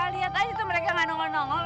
lihat aja tuh mereka gak nonggol nongol